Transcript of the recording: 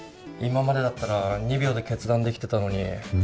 今までだったら２秒で決断できてたのに。